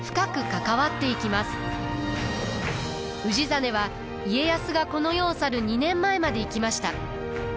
氏真は家康がこの世を去る２年前まで生きました。